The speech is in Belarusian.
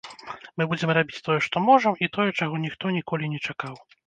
Мы будзем рабіць тое, што можам і тое, чаго ніхто ніколі не чакаў.